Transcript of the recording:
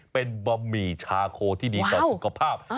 เป็นบะหมี่ชาโคที่ดีต่อสุขภาพ